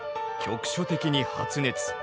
局所的に発熱。